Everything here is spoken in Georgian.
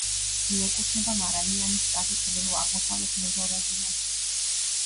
მიეკუთვნება მარანიანის შტატის ჩრდილო-აღმოსავლეთ მეზორეგიონს.